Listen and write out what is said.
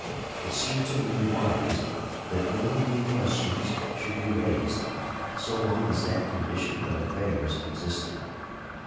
It seemed to me wise that no new questions should be raised so long as that condition of affairs existed.